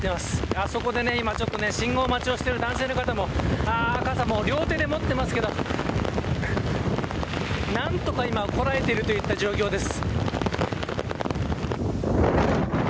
あそこで今、信号待ちをしている男性の方もいて傘を両手で持っていますけど何とか今こらえているといった状況です。